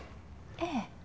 ええ。